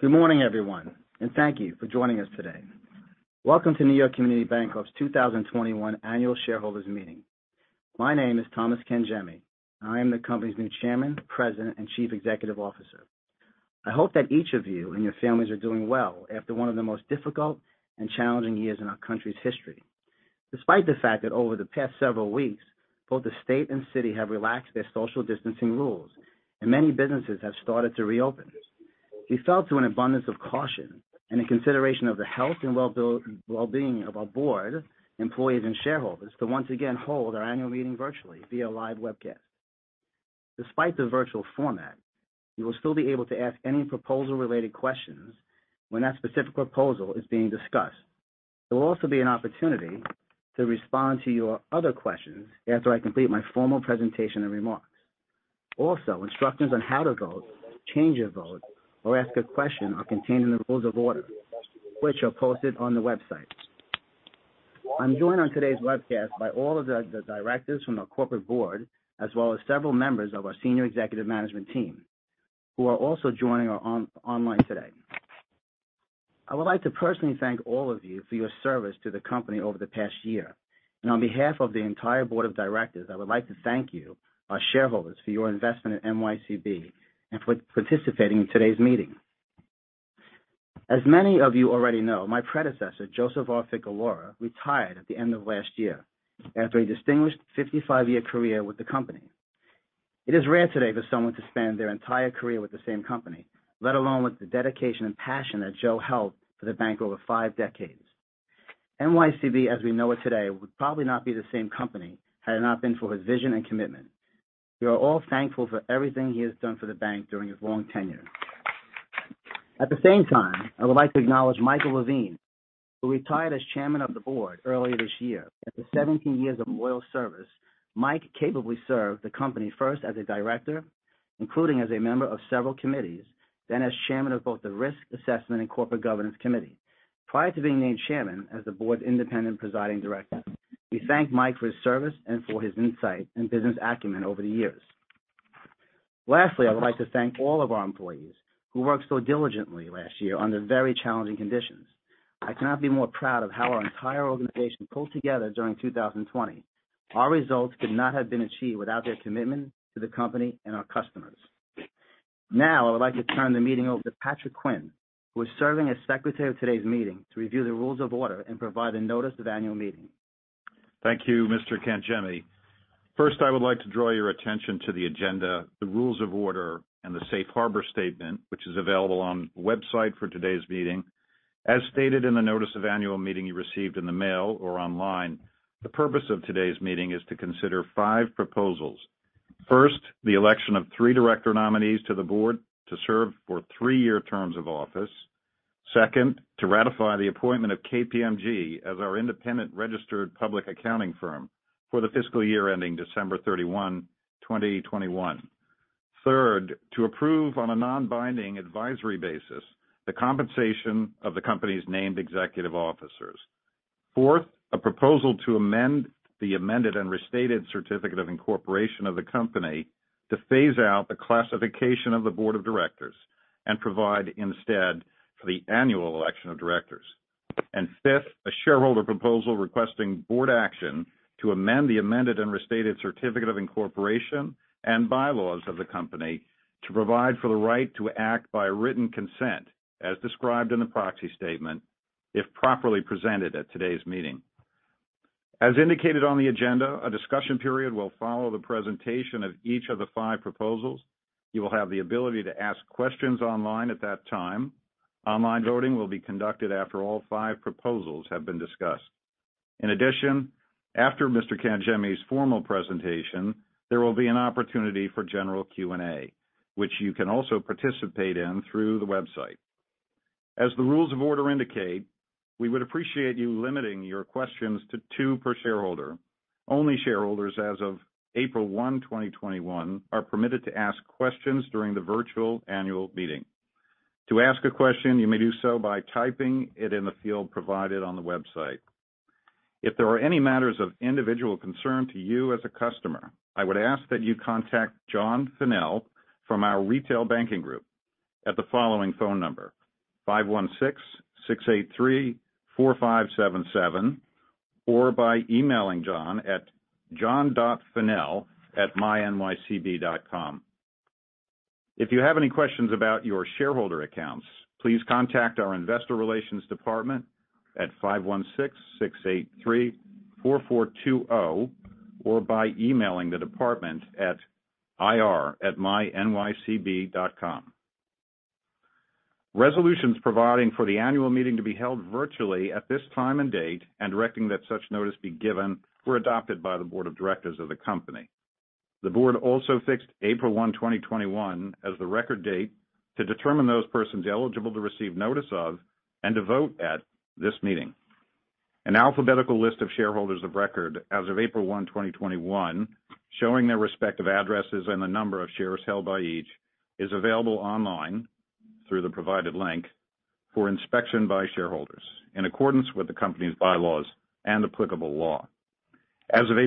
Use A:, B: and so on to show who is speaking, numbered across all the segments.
A: Good morning, everyone, and thank you for joining us today. Welcome to New York Community Bancorp's 2021 Annual Shareholders Meeting. My name is Thomas Cangemi. I am the company's new Chairman, President, and Chief Executive Officer. I hope that each of you and your families are doing well after one of the most difficult and challenging years in our country's history. Despite the fact that over the past several weeks, both the state and city have relaxed their social distancing rules, and many businesses have started to reopen, we feel an abundance of caution and a consideration of the health and well-being of our board, employees, and shareholders to once again hold our annual meeting virtually via live webcast. Despite the virtual format, you will still be able to ask any proposal-related questions when that specific proposal is being discussed. There will also be an opportunity to respond to your other questions after I complete my formal presentation and remarks. Also, instructions on how to vote, change your vote, or ask a question are contained in the rules of order, which are posted on the website. I'm joined on today's webcast by all of the directors from our corporate board, as well as several members of our senior executive management team, who are also joining online today. I would like to personally thank all of you for your service to the company over the past year, and on behalf of the entire board of directors, I would like to thank you, our shareholders, for your investment in NYCB and for participating in today's meeting. As many of you already know, my predecessor, Joseph R. Ficalora, retired at the end of last year after a distinguished 55-year career with the company. It is rare today for someone to spend their entire career with the same company, let alone with the dedication and passion that Joe held for the bank over five decades. NYCB, as we know it today, would probably not be the same company had it not been for his vision and commitment. We are all thankful for everything he has done for the bank during his long tenure. At the same time, I would like to acknowledge Michael Levine, who retired as chairman of the board earlier this year. After 17 years of loyal service, Mike capably served the company first as a director, including as a member of several committees, then as chairman of both the Risk Assessment and Corporate Governance Committee. Prior to being named Chairman as the board's independent presiding director, we thank Mike for his service and for his insight and business acumen over the years. Lastly, I would like to thank all of our employees who worked so diligently last year under very challenging conditions. I cannot be more proud of how our entire organization pulled together during 2020. Our results could not have been achieved without their commitment to the company and our customers. Now, I would like to turn the meeting over to Patrick Quinn, who is serving as Secretary of today's meeting to review the rules of order and provide a notice of annual meeting.
B: Thank you, Mr. Cangemi. First, I would like to draw your attention to the agenda, the rules of order, and the safe harbor statement, which is available on the website for today's meeting. As stated in the notice of annual meeting you received in the mail or online, the purpose of today's meeting is to consider five proposals. First, the election of three director nominees to the board to serve for three-year terms of office. Second, to ratify the appointment of KPMG as our independent registered public accounting firm for the fiscal year ending December 31, 2021. Third, to approve on a non-binding advisory basis the compensation of the company's named executive officers. Fourth, a proposal to amend the amended and restated certificate of incorporation of the company to phase out the classification of the board of directors and provide instead for the annual election of directors. Fifth, a shareholder proposal requesting board action to amend the Amended and Restated Certificate of Incorporation and Bylaws of the company to provide for the right to act by Written Consent, as described in the Proxy Statement, if properly presented at today's meeting. As indicated on the agenda, a discussion period will follow the presentation of each of the five proposals. You will have the ability to ask questions online at that time. Online voting will be conducted after all five proposals have been discussed. In addition, after Mr. Cangemi's formal presentation, there will be an opportunity for general Q&A, which you can also participate in through the website. As the rules of order indicate, we would appreciate you limiting your questions to two per shareholder. Only shareholders as of April 1, 2021, are permitted to ask questions during the virtual annual meeting. To ask a question, you may do so by typing it in the field provided on the website. If there are any matters of individual concern to you as a customer, I would ask that you contact John Fennell from our retail banking group at the following phone number, 516-683-4577, or by emailing John at john.fennell@mynycb.com. If you have any questions about your shareholder accounts, please contact our investor relations department at 516-683-4420 or by emailing the department at ir@mynycb.com. Resolutions providing for the annual meeting to be held virtually at this time and date and directing that such notice be given were adopted by the board of directors of the company. The board also fixed April 1, 2021, as the record date to determine those persons eligible to receive notice of and to vote at this meeting. An alphabetical list of shareholders of record as of April 1, 2021, showing their respective addresses and the number of shares held by each, is available online through the provided link for inspection by shareholders in accordance with the company's bylaws and applicable law. As of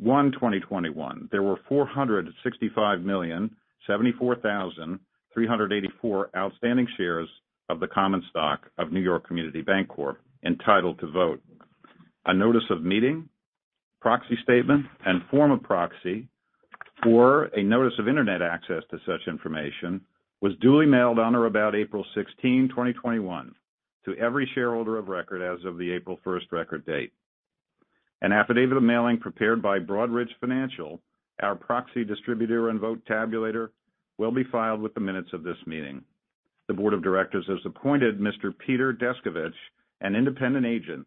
B: April 1, 2021, there were 465,074,384 outstanding shares of the common stock of New York Community Bancorp entitled to vote. A notice of meeting, proxy statement, and form of proxy for a notice of internet access to such information was duly mailed on or about April 16, 2021, to every shareholder of record as of the April 1st record date. An affidavit of mailing prepared by Broadridge Financial, our proxy distributor and vote tabulator, will be filed with the minutes of this meeting. The board of directors has appointed Mr. Peter Descovich, an independent agent,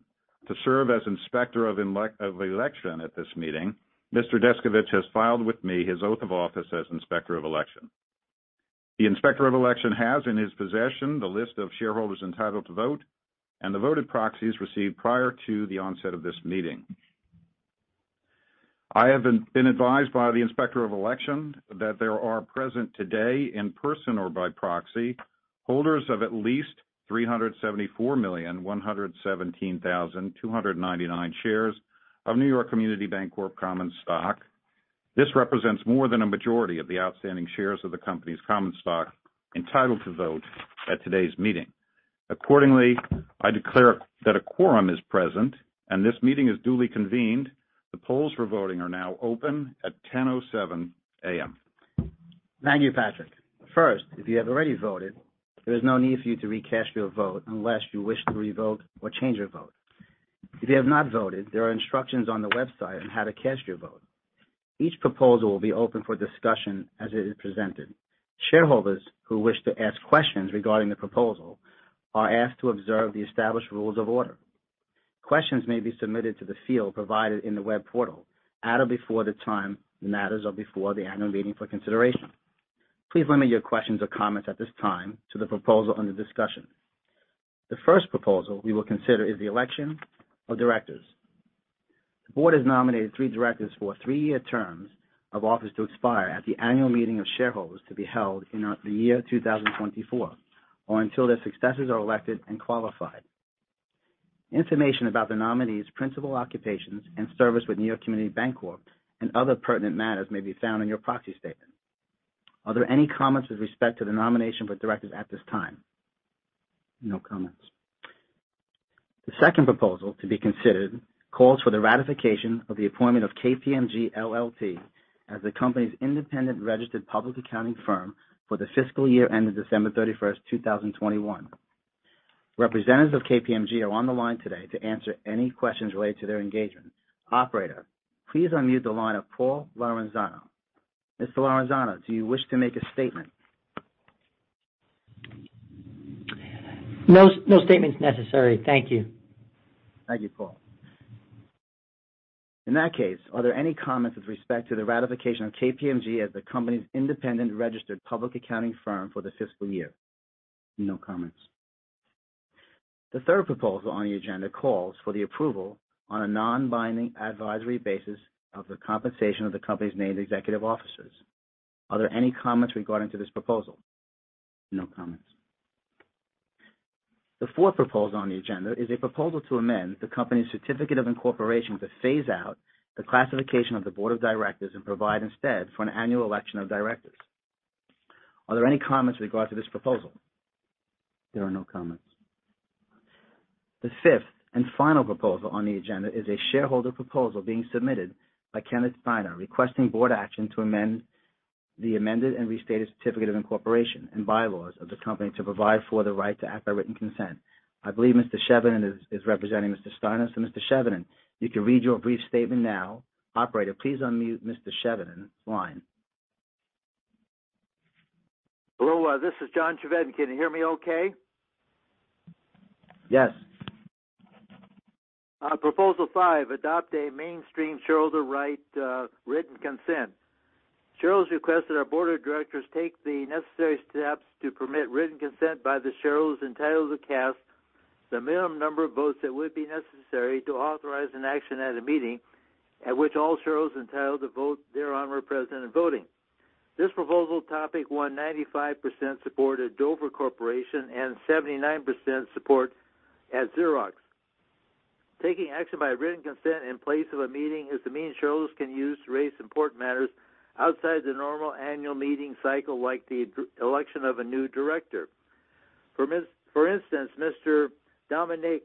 B: to serve as inspector of elections at this meeting. Mr. Descovich has filed with me his oath of office as inspector of election. The inspector of elections has in his possession the list of shareholders entitled to vote and the voted proxies received prior to the onset of this meeting. I have been advised by the inspector of election that there are present today in person or by proxy holders of at least 374,117,299 shares of New York Community Bancorp common stock. This represents more than a majority of the outstanding shares of the company's common stock entitled to vote at today's meeting. Accordingly, I declare that a quorum is present and this meeting is duly convened. The polls for voting are now open at 10:07 A.M.
A: Thank you, Patrick. First, if you have already voted, there is no need for you to recast your vote unless you wish to revote or change your vote. If you have not voted, there are instructions on the website on how to cast your vote. Each proposal will be open for discussion as it is presented. Shareholders who wish to ask questions regarding the proposal are asked to observe the established rules of order. Questions may be submitted to the field provided in the web portal at or before the time the matters are before the annual meeting for consideration. Please limit your questions or comments at this time to the proposal under discussion. The first proposal we will consider is the election of directors. The board has nominated three directors for three-year terms of office to expire at the annual meeting of shareholders to be held in the year 2024 or until their successors are elected and qualified. Information about the nominees' principal occupations and service with New York Community Bancorp and other pertinent matters may be found in your proxy statement. Are there any comments with respect to the nomination for directors at this time? No comments. The second proposal to be considered calls for the ratification of the appointment of KPMG LLP as the company's independent registered public accounting firm for the fiscal year ending December 31, 2021. Representatives of KPMG are on the line today to answer any questions related to their engagement. Operator, please unmute the line of Paul Laurenzano. Mr. Laurenzano, do you wish to make a statement?
C: No statement's necessary. Thank you.
A: Thank you, Paul. In that case, are there any comments with respect to the ratification of KPMG as the company's independent registered public accounting firm for the fiscal year? No comments. The third proposal on the agenda calls for the approval on a non-binding advisory basis of the compensation of the company's named executive officers. Are there any comments regarding this proposal? No comments. The fourth proposal on the agenda is a proposal to amend the company's certificate of incorporation to phase out the classification of the board of directors and provide instead for an annual election of directors. Are there any comments with regard to this proposal? There are no comments. The fifth and final proposal on the agenda is a shareholder proposal being submitted by Kenneth Steiner requesting board action to amend the amended and restated Certificate of Incorporation and bylaws of the company to provide for the right to act by written consent. I believe Mr. Chevedden is representing Mr. Steiner. So Mr. Chevedden, you can read your brief statement now. Operator, please unmute Mr. Chevedden's line.
D: Hello, this is John Chevedden. Can you hear me okay?
A: Yes.
D: Proposal five, adopt a mainstream shareholder right, written consent. Shareholders request that our board of directors take the necessary steps to permit written consent by the shareholders entitled to cast the minimum number of votes that would be necessary to authorize an action at a meeting at which all shareholders entitled to vote thereon were present in voting. This proposal topic won 95% support at Dover Corporation and 79% support at Xerox. Taking action by written consent in place of a meeting is the means shareholders can use to raise important matters outside the normal annual meeting cycle, like the election of a new director. For instance, Mr. Dominick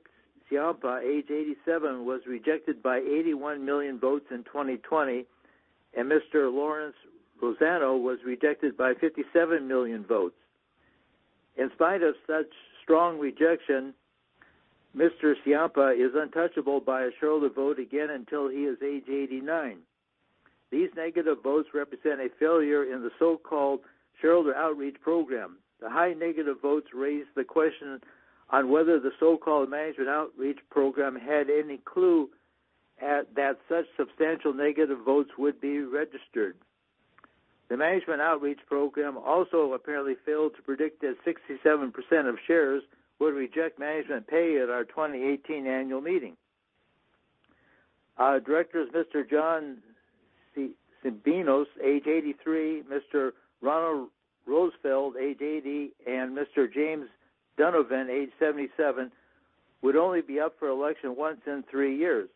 D: Ciampa, age 87, was rejected by 81 million votes in 2020, and Mr. Lawrence Rosano was rejected by 57 million votes. In spite of such strong rejection, Mr. Ciampa is untouchable by a shareholder vote again until he is age 89. These negative votes represent a failure in the so-called shareholder outreach program. The high negative votes raise the question on whether the so-called management outreach program had any clue that such substantial negative votes would be registered. The management outreach program also apparently failed to predict that 67% of shares would reject management pay at our 2018 annual meeting. Directors Mr. John Tsimbinos, age 83, Mr. Ronald Rosenfeld, age 80, and Mr. James O'Donovan, age 77, would only be up for election once in three years.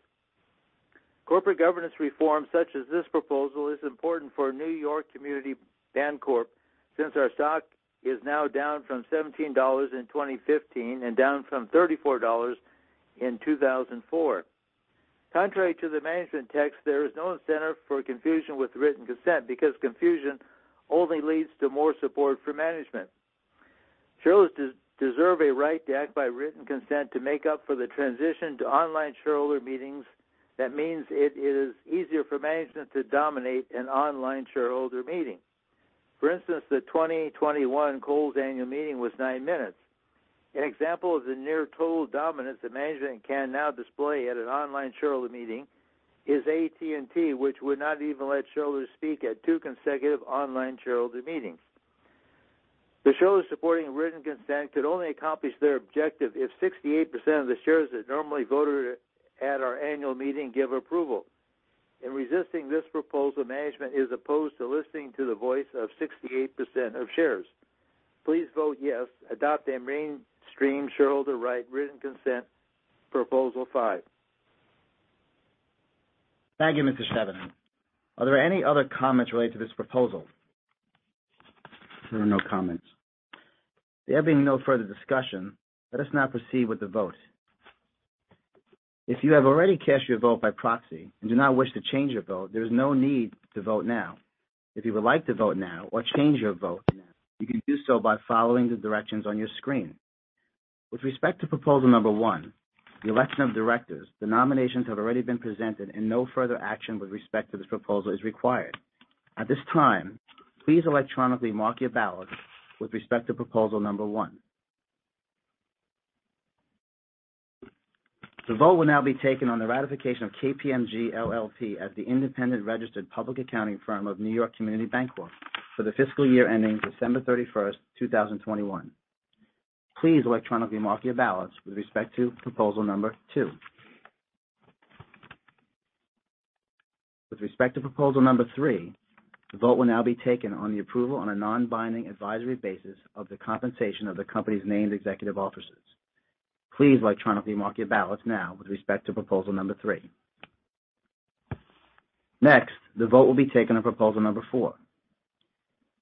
D: Corporate governance reform such as this proposal is important for New York Community Bancorp since our stock is now down from $17 in 2015 and down from $34 in 2004. Contrary to the management text, there is no incentive for confusion with written consent because confusion only leads to more support for management. Shareholders deserve a right to act by written consent to make up for the transition to online shareholder meetings. That means it is easier for management to dominate an online shareholder meeting. For instance, the 2021 Kohl's annual meeting was nine minutes. An example of the near total dominance that management can now display at an online shareholder meeting is AT&T, which would not even let shareholders speak at two consecutive online shareholder meetings. The shareholders supporting written consent could only accomplish their objective if 68% of the shares that normally voted at our annual meeting give approval. In resisting this proposal, management is opposed to listening to the voice of 68% of shares. Please vote yes, adopt a mainstream shareholder right, written consent proposal five.
A: Thank you, Mr. Chevedden. Are there any other comments related to this proposal? There are no comments. There being no further discussion, let us now proceed with the vote. If you have already cast your vote by proxy and do not wish to change your vote, there is no need to vote now. If you would like to vote now or change your vote, you can do so by following the directions on your screen. With respect to proposal number one, the election of directors, the nominations have already been presented, and no further action with respect to this proposal is required. At this time, please electronically mark your ballot with respect to proposal number one. The vote will now be taken on the ratification of KPMG LLP as the independent registered public accounting firm of New York Community Bancorp for the fiscal year ending December 31, 2021. Please electronically mark your ballot with respect to proposal number two. With respect to proposal number three, the vote will now be taken on the approval on a non-binding advisory basis of the compensation of the company's named executive officers. Please electronically mark your ballot now with respect to proposal number three. Next, the vote will be taken on proposal number four,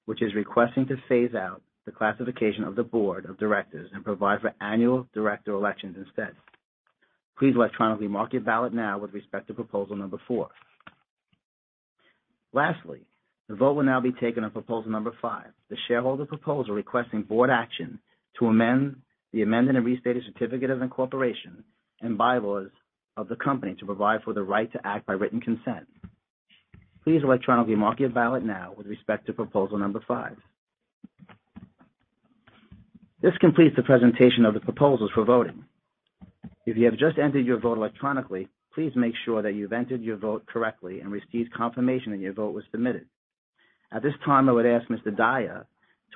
A: which is requesting to phase out the classification of the board of directors and provide for annual director elections instead. Please electronically mark your ballot now with respect to proposal number four. Lastly, the vote will now be taken on proposal number five, the shareholder proposal requesting board action to amend the amended and restated certificate of incorporation and bylaws of the company to provide for the right to act by written consent. Please electronically mark your ballot now with respect to proposal number five. This completes the presentation of the proposals for voting. If you have just entered your vote electronically, please make sure that you've entered your vote correctly and received confirmation that your vote was submitted. At this time, I would ask Mr. Dahya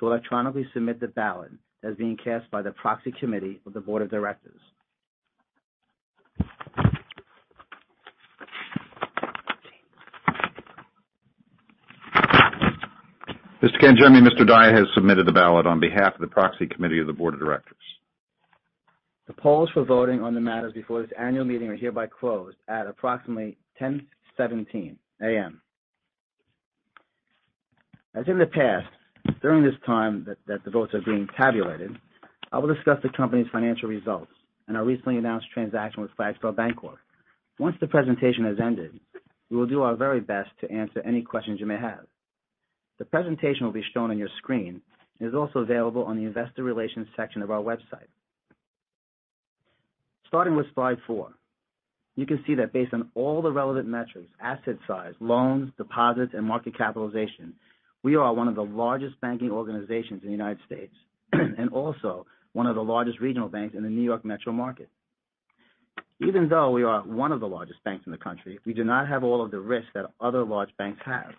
A: to electronically submit the ballot that is being cast by the proxy committee of the board of directors.
B: Mr. Cangemi, Mr. Dahya has submitted the ballot on behalf of the proxy committee of the board of directors.
A: The polls for voting on the matters before this annual meeting are hereby closed at approximately 10:17 A.M. As in the past, during this time that the votes are being tabulated, I will discuss the company's financial results and our recently announced transaction with Flagstar Bancorp. Once the presentation has ended, we will do our very best to answer any questions you may have. The presentation will be shown on your screen and is also available on the investor relations section of our website. Starting with slide four, you can see that based on all the relevant metrics, asset size, loans, deposits, and market capitalization, we are one of the largest banking organizations in the United States and also one of the largest regional banks in the New York metro market. Even though we are one of the largest banks in the country, we do not have all of the risks that other large banks have.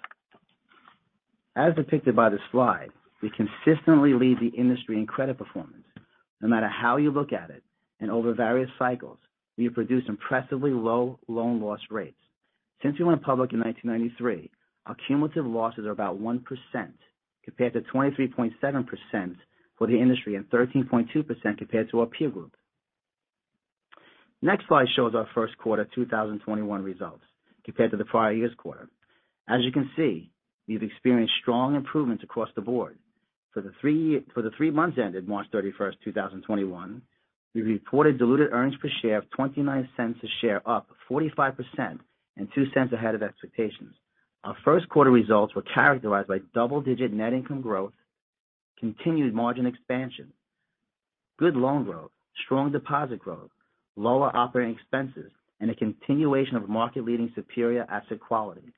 A: As depicted by this slide, we consistently lead the industry in credit performance. No matter how you look at it, and over various cycles, we have produced impressively low loan loss rates. Since we went public in 1993, our cumulative losses are about 1% compared to 23.7% for the industry and 13.2% compared to our peer group. Next slide shows our first quarter 2021 results compared to the prior year's quarter. As you can see, we've experienced strong improvements across the board. For the three months ended March 31, 2021, we reported diluted earnings per share of $0.29 a share, up 45% and $0.02 ahead of expectations. Our first quarter results were characterized by double-digit net income growth, continued margin expansion, good loan growth, strong deposit growth, lower operating expenses, and a continuation of market-leading, superior asset quality.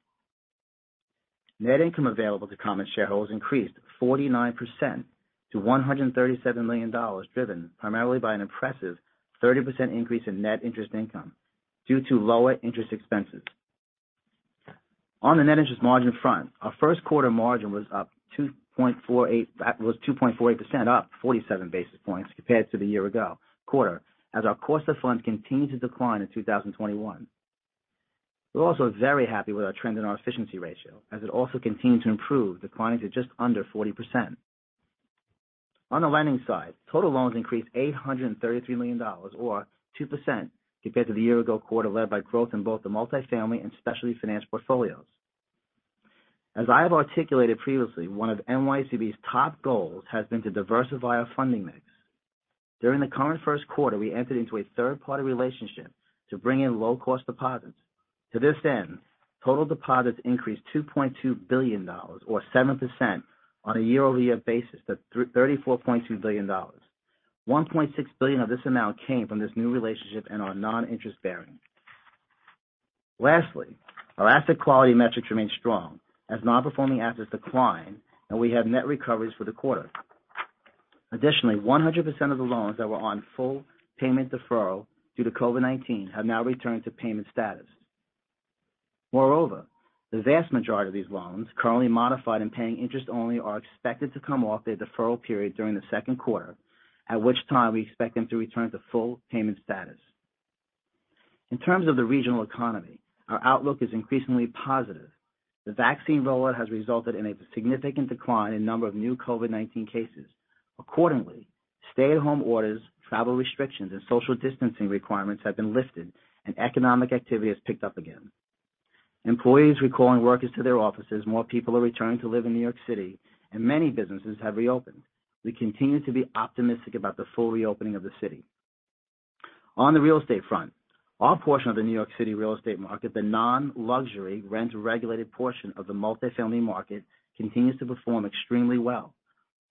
A: Net income available to common shareholders increased 49% to $137 million, driven primarily by an impressive 30% increase in net interest income due to lower interest expenses. On the net interest margin front, our first quarter margin was up 2.48%, up 47 basis points compared to the year ago quarter, as our cost of funds continued to decline in 2021. We're also very happy with our trend in our efficiency ratio, as it also continued to improve, declining to just under 40%. On the lending side, total loans increased $833 million, or 2%, compared to the year-ago quarter, led by growth in both the multifamily and specialty financed portfolios. As I have articulated previously, one of NYCB's top goals has been to diversify our funding mix. During the current first quarter, we entered into a third-party relationship to bring in low-cost deposits. To this end, total deposits increased $2.2 billion, or 7%, on a year-over-year basis to $34.2 billion. $1.6 billion of this amount came from this new relationship and our non-interest-bearing. Lastly, our asset quality metrics remained strong, as non-performing assets declined, and we had net recoveries for the quarter. Additionally, 100% of the loans that were on full payment deferral due to COVID-19 have now returned to payment status. Moreover, the vast majority of these loans, currently modified and paying interest only, are expected to come off their deferral period during the second quarter, at which time we expect them to return to full payment status. In terms of the regional economy, our outlook is increasingly positive. The vaccine rollout has resulted in a significant decline in the number of new COVID-19 cases. Accordingly, stay-at-home orders, travel restrictions, and social distancing requirements have been lifted, and economic activity has picked up again. Employees are recalling workers to their offices, more people are returning to live in New York City, and many businesses have reopened. We continue to be optimistic about the full reopening of the city. On the real estate front, our portion of the New York City real estate market, the non-luxury rent-regulated portion of the multifamily market, continues to perform extremely well.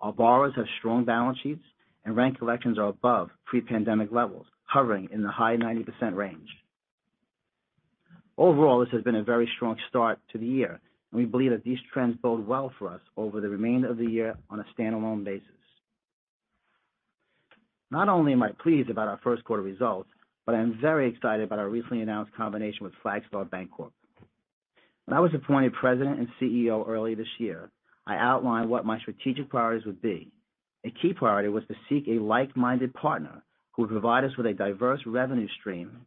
A: Our borrowers have strong balance sheets, and rent collections are above pre-pandemic levels, hovering in the high 90% range. Overall, this has been a very strong start to the year, and we believe that these trends bode well for us over the remainder of the year on a standalone basis. Not only am I pleased about our first quarter results, but I am very excited about our recently announced combination with Flagstar Bancorp. When I was appointed President and CEO early this year, I outlined what my strategic priorities would be. A key priority was to seek a like-minded partner who would provide us with a diverse revenue stream,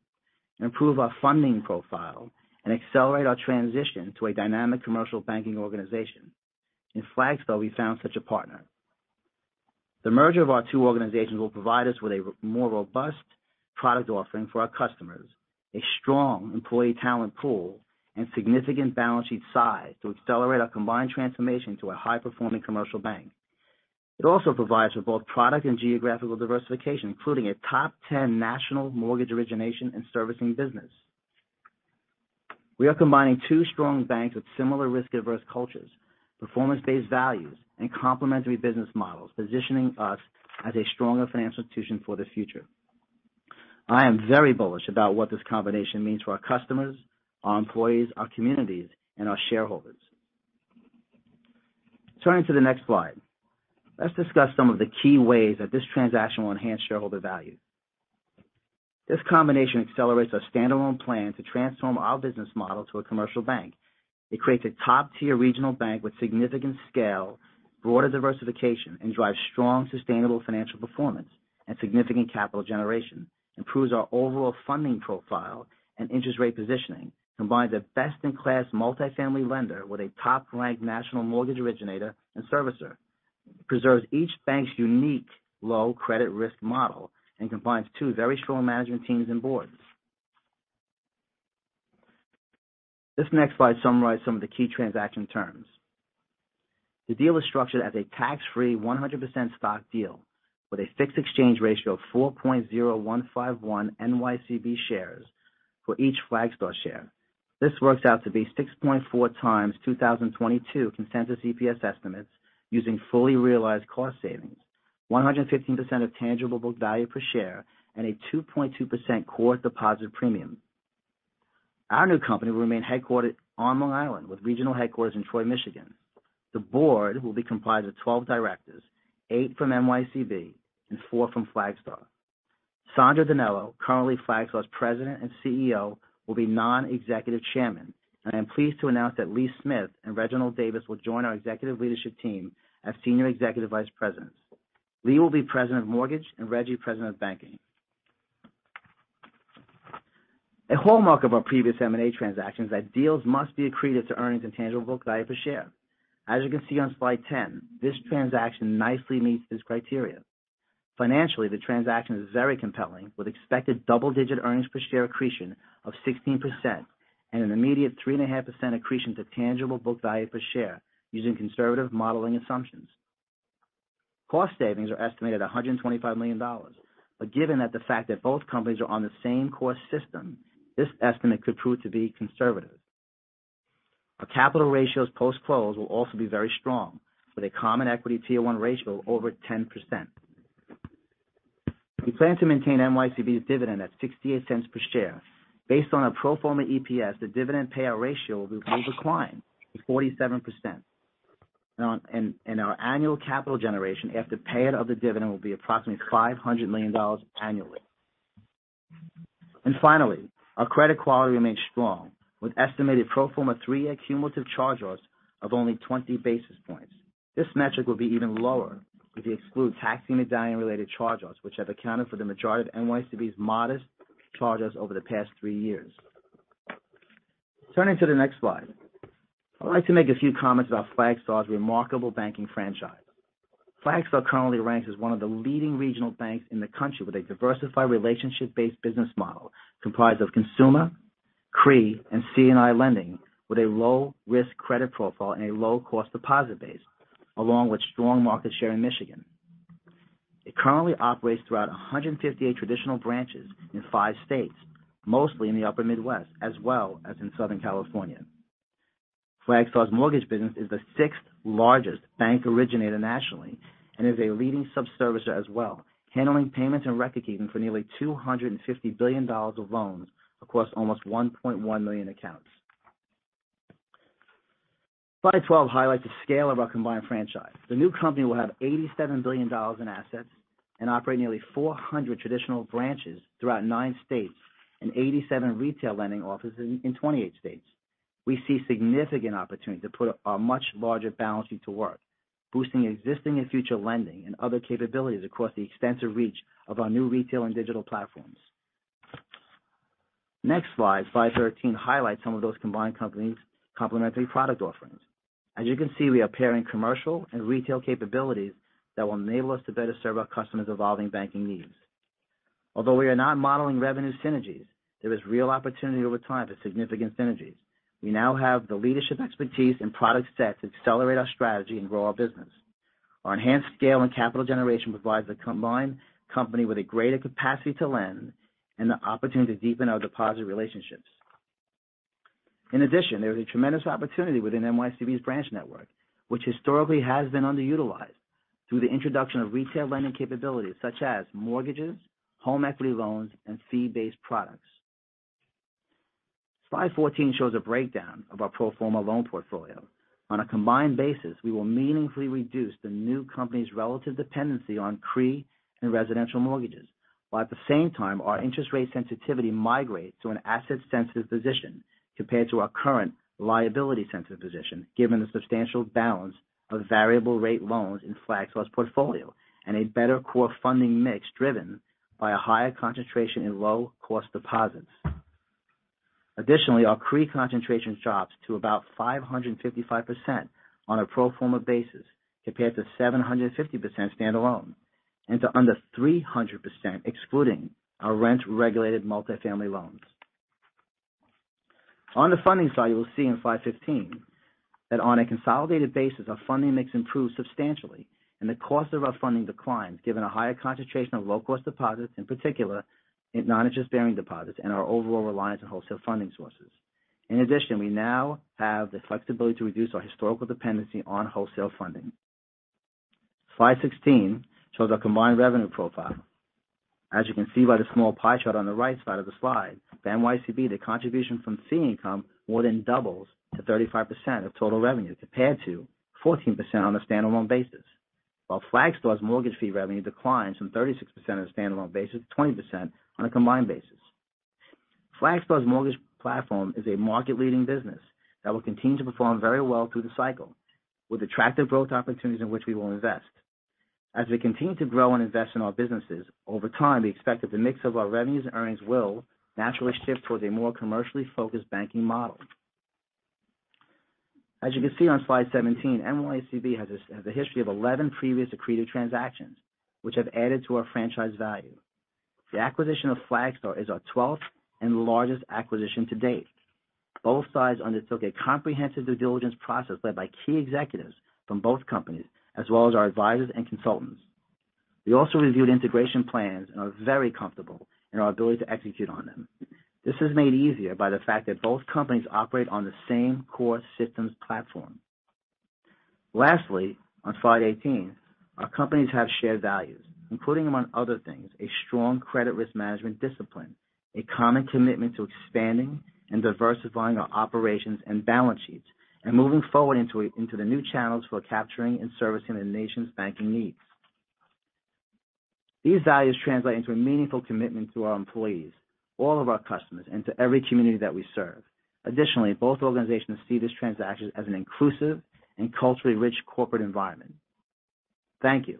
A: improve our funding profile, and accelerate our transition to a dynamic commercial banking organization. In Flagstar, we found such a partner. The merger of our two organizations will provide us with a more robust product offering for our customers, a strong employee talent pool, and significant balance sheet size to accelerate our combined transformation to a high-performing commercial bank. It also provides for both product and geographical diversification, including a top 10 national mortgage origination and servicing business. We are combining two strong banks with similar risk-averse cultures, performance-based values, and complementary business models, positioning us as a stronger financial institution for the future. I am very bullish about what this combination means for our customers, our employees, our communities, and our shareholders. Turning to the next slide, let's discuss some of the key ways that this transaction will enhance shareholder value. This combination accelerates our standalone plan to transform our business model to a commercial bank. It creates a top-tier regional bank with significant scale, broader diversification, and drives strong, sustainable financial performance and significant capital generation, improves our overall funding profile and interest rate positioning, combines a best-in-class multifamily lender with a top-ranked national mortgage originator and servicer, preserves each bank's unique low credit risk model, and combines two very strong management teams and boards. This next slide summarizes some of the key transaction terms. The deal is structured as a tax-free 100% stock deal with a fixed exchange ratio of 4.0151 NYCB shares for each Flagstar share. This works out to be 6.4 times 2022 consensus EPS estimates using fully realized cost savings, 115% of tangible book value per share, and a 2.2% core deposit premium. Our new company will remain headquartered on Long Island with a regional headquarters in Troy, Michigan. The board will be comprised of 12 directors, eight from NYCB, and four from Flagstar. Alessandro DiNello, currently Flagstar's president and CEO, will be non-executive chairman, and I am pleased to announce that Lee Smith and Reginald Davis will join our executive leadership team as senior executive vice presidents. Lee will be President of Mortgage and Reggie President of Banking. A hallmark of our previous M&A transactions is that deals must be accretive to earnings and tangible book value per share. As you can see on slide 10, this transaction nicely meets this criteria. Financially, the transaction is very compelling with expected double-digit earnings per share accretion of 16% and an immediate 3.5% accretion to tangible book value per share using conservative modeling assumptions. Cost savings are estimated at $125 million, but given the fact that both companies are on the same core system, this estimate could prove to be conservative. Our capital ratios post-close will also be very strong with a Common Equity Tier 1 ratio of over 10%. We plan to maintain NYCB's dividend at $0.68 per share. Based on our pro forma EPS, the dividend payout ratio will decline to 47%, and our annual capital generation after payout of the dividend will be approximately $500 million annually. And finally, our credit quality remains strong with estimated pro forma three-year cumulative charge-offs of only 20 basis points. This metric will be even lower if we exclude taxi medallion-related charge-offs, which have accounted for the majority of NYCB's modest charge-offs over the past three years. Turning to the next slide, I'd like to make a few comments about Flagstar's remarkable banking franchise. Flagstar currently ranks as one of the leading regional banks in the country with a diversified relationship-based business model comprised of Consumer, CRE, and C&I lending with a low-risk credit profile and a low-cost deposit base, along with strong market share in Michigan. It currently operates throughout 158 traditional branches in five states, mostly in the Upper Midwest, as well as in Southern California. Flagstar's mortgage business is the sixth-largest bank originator nationally and is a leading sub-servicer as well, handling payments and record-keeping for nearly $250 billion of loans across almost 1.1 million accounts. Slide 12 highlights the scale of our combined franchise. The new company will have $87 billion in assets and operate nearly 400 traditional branches throughout nine states and 87 retail lending offices in 28 states. We see significant opportunity to put our much larger balance sheet to work, boosting existing and future lending and other capabilities across the extensive reach of our new retail and digital platforms. Next slide, slide 13 highlights some of those combined company's complementary product offerings. As you can see, we are pairing commercial and retail capabilities that will enable us to better serve our customers' evolving banking needs. Although we are not modeling revenue synergies, there is real opportunity over time for significant synergies. We now have the leadership expertise and product sets to accelerate our strategy and grow our business. Our enhanced scale and capital generation provides the combined company with a greater capacity to lend and the opportunity to deepen our deposit relationships. In addition, there is a tremendous opportunity within NYCB's branch network, which historically has been underutilized through the introduction of retail lending capabilities such as mortgages, home equity loans, and fee-based products. Slide 14 shows a breakdown of our pro forma loan portfolio. On a combined basis, we will meaningfully reduce the new company's relative dependency on CRE and residential mortgages, while at the same time, our interest rate sensitivity migrates to an asset-sensitive position compared to our current liability-sensitive position, given the substantial balance of variable-rate loans in Flagstar's portfolio and a better core funding mix driven by a higher concentration in low-cost deposits. Additionally, our CRE concentration drops to about 555% on a pro forma basis compared to 750% standalone and to under 300%, excluding our rent-regulated multifamily loans. On the funding side, you will see in slide 15 that on a consolidated basis, our funding mix improves substantially, and the cost of our funding declines, given a higher concentration of low-cost deposits, in particular non-interest-bearing deposits, and our overall reliance on wholesale funding sources. In addition, we now have the flexibility to reduce our historical dependency on wholesale funding. Slide 16 shows our combined revenue profile. As you can see by the small pie chart on the right side of the slide, for NYCB, the contribution from fee income more than doubles to 35% of total revenue compared to 14% on a standalone basis, while Flagstar's mortgage fee revenue declines from 36% on a standalone basis to 20% on a combined basis. Flagstar's mortgage platform is a market-leading business that will continue to perform very well through the cycle, with attractive growth opportunities in which we will invest. As we continue to grow and invest in our businesses over time, we expect that the mix of our revenues and earnings will naturally shift towards a more commercially focused banking model. As you can see on slide 17, NYCB has a history of 11 previous accretive transactions, which have added to our franchise value. The acquisition of Flagstar is our 12th and largest acquisition to date. Both sides undertook a comprehensive due diligence process led by key executives from both companies, as well as our advisors and consultants. We also reviewed integration plans and are very comfortable in our ability to execute on them. This is made easier by the fact that both companies operate on the same core systems platform. Lastly, on slide 18, our companies have shared values, including, among other things, a strong credit risk management discipline, a common commitment to expanding and diversifying our operations and balance sheets, and moving forward into the new channels for capturing and servicing the nation's banking needs. These values translate into a meaningful commitment to our employees, all of our customers, and to every community that we serve. Additionally, both organizations see these transactions as an inclusive and culturally rich corporate environment. Thank you.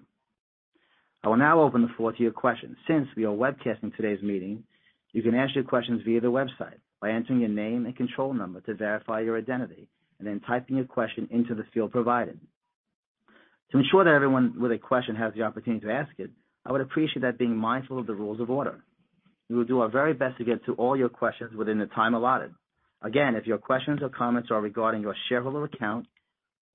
A: I will now open the floor to your questions. Since we are webcasting today's meeting, you can answer your questions via the website by entering your name and control number to verify your identity and then typing your question into the field provided. To ensure that everyone with a question has the opportunity to ask it, I would appreciate that being mindful of the rules of order. We will do our very best to get to all your questions within the time allotted. Again, if your questions or comments are regarding your shareholder account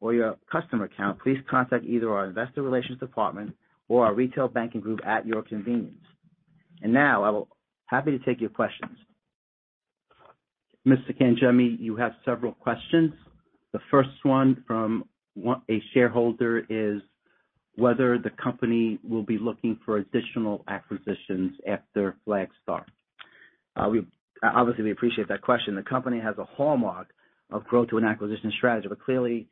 A: or your customer account, please contact either our investor relations department or our retail banking group at your convenience. And now, I will be happy to take your questions. Mr. Cangemi, you have several questions. The first one from a shareholder is whether the company will be looking for additional acquisitions after Flagstar. Obviously, we appreciate that question. The company has a hallmark of growth to an acquisition strategy, but clearly,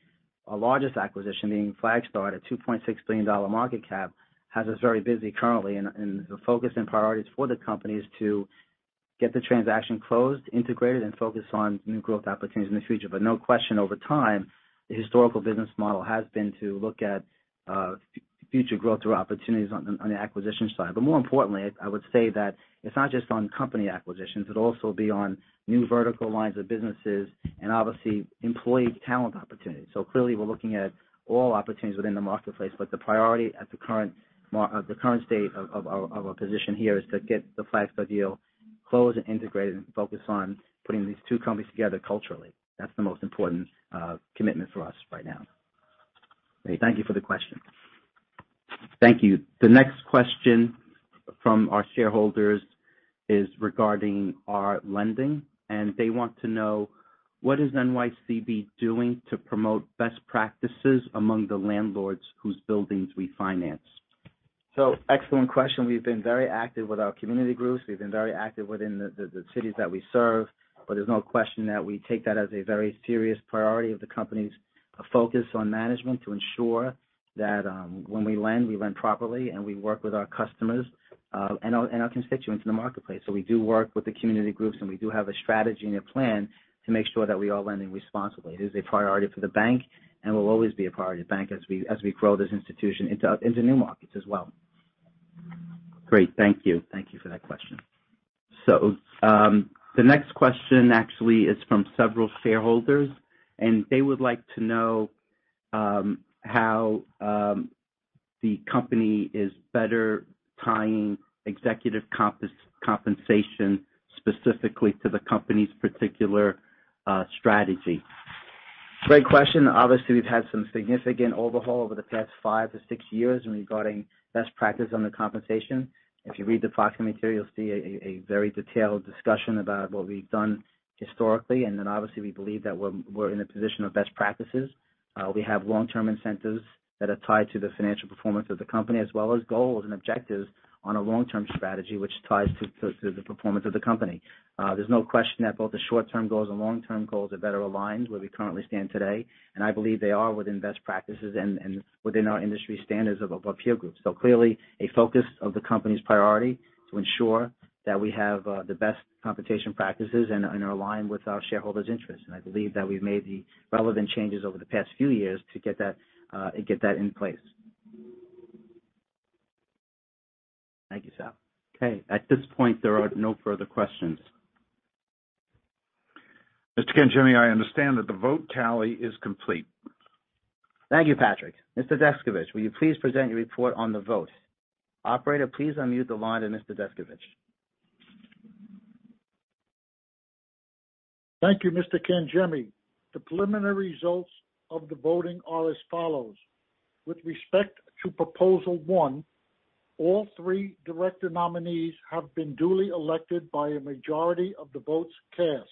A: our largest acquisition, being Flagstar at a $2.6 billion market cap, has us very busy currently, and the focus and priorities for the company is to get the transaction closed, integrated, and focus on new growth opportunities in the future. But no question, over time, the historical business model has been to look at future growth through opportunities on the acquisition side. But more importantly, I would say that it's not just on company acquisitions, it'll also be on new vertical lines of businesses and, obviously, employee talent opportunities. So clearly, we're looking at all opportunities within the marketplace, but the priority at the current state of our position here is to get the Flagstar deal closed and integrated and focus on putting these two companies together culturally. That's the most important commitment for us right now. Thank you for the question. Thank you. The next question from our shareholders is regarding our lending, and they want to know, "What is NYCB doing to promote best practices among the landlords whose buildings we finance?" So excellent question. We've been very active with our community groups. We've been very active within the cities that we serve, but there's no question that we take that as a very serious priority of the company's focus on management to ensure that when we lend, we lend properly, and we work with our customers and our constituents in the marketplace. So we do work with the community groups, and we do have a strategy and a plan to make sure that we are lending responsibly. It is a priority for the bank and will always be a priority for the bank as we grow this institution into new markets as well. Great. Thank you. Thank you for that question. So the next question actually is from several shareholders, and they would like to know how the company is better tying executive compensation specifically to the company's particular strategy. Great question. Obviously, we've had some significant overhaul over the past five to six years regarding best practice on the compensation. If you read the proxy material, you'll see a very detailed discussion about what we've done historically, and then, obviously, we believe that we're in a position of best practices. We have long-term incentives that are tied to the financial performance of the company, as well as goals and objectives on a long-term strategy, which ties to the performance of the company. There's no question that both the short-term goals and long-term goals are better aligned where we currently stand today, and I believe they are within best practices and within our industry standards of our peer groups. So clearly, a focus of the company's priority is to ensure that we have the best compensation practices and are aligned with our shareholders' interests. And I believe that we've made the relevant changes over the past few years to get that in place. Thank you, Sal.
B: Okay. At this point, there are no further questions. Mr. Cangemi, I understand that the vote tally is complete. Thank you, Patrick.
A: Mr. Descovich, will you please present your report on the vote? Operator, please unmute the line to Mr. Descovich.
E: Thank you, Mr. Cangemi. The preliminary results of the voting are as follows. With respect to proposal one, all three director nominees have been duly elected by a majority of the votes cast.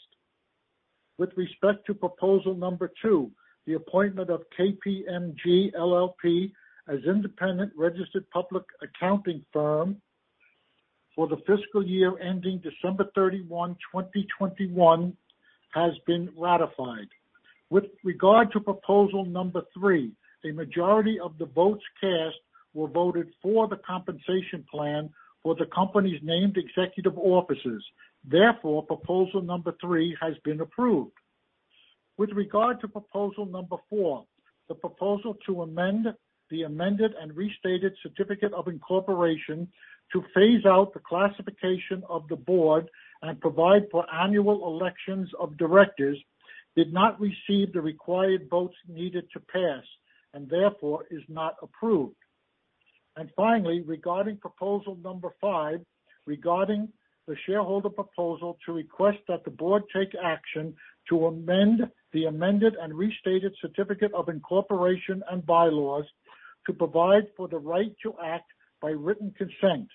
E: With respect to proposal number two, the appointment of KPMG LLP as an independent registered public accounting firm for the fiscal year ending December 31, 2021, has been ratified. With regard to proposal number three, a majority of the votes cast were voted for the compensation plan for the company's named executive officers. Therefore, proposal number three has been approved. With regard to proposal number four, the proposal to amend the amended and restated certificate of incorporation to phase out the classification of the board and provide for annual elections of directors did not receive the required votes needed to pass and, therefore, is not approved, and finally, regarding proposal number five, regarding the shareholder proposal to request that the board take action to amend the amended and restated certificate of incorporation and bylaws to provide for the right to act by written consent,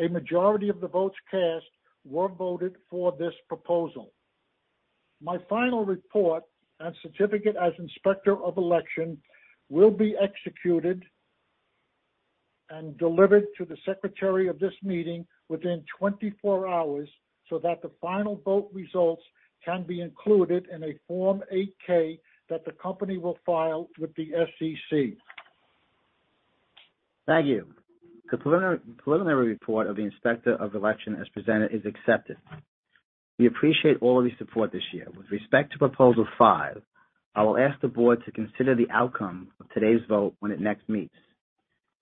E: a majority of the votes cast were voted for this proposal. My final report and certificate as inspector of election will be executed and delivered to the secretary of this meeting within 24 hours so that the final vote results can be included in a Form 8-K that the company will file with the SEC.
A: Thanks you. The preliminary report of the inspector of election as presented, is accepted. We appreciate all of your support this year. With respect to proposal five, I will ask the board to consider the outcome of today's vote when it next meets.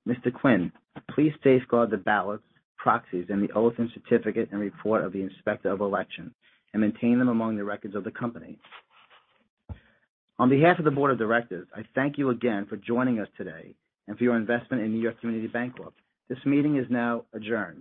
A: Mr. Quinn, please safeguard the ballots, proxies, and the oath and certificate, and report of the inspector of elections, and maintain them among the records of the company. On behalf of the board of directors, I thank you again for joining us today and for your investment in New York Community Bancorp. This meeting is now adjourned.